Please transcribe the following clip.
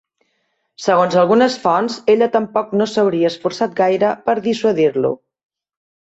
Segons algunes fonts ella tampoc no s'hauria esforçat gaire per dissuadir-lo.